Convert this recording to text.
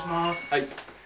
はい。